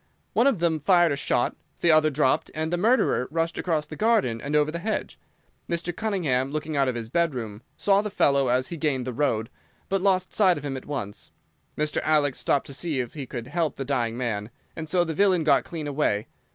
One of them fired a shot, the other dropped, and the murderer rushed across the garden and over the hedge. Mr. Cunningham, looking out of his bedroom, saw the fellow as he gained the road, but lost sight of him at once. Mr. Alec stopped to see if he could help the dying man, and so the villain got clean away.